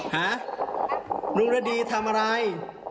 หาลุงละดีทำอะไร